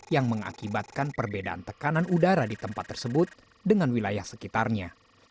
yang mengakibatkan perbedaan tekanan udara di tempat tersebut dengan wilayah sekitarnya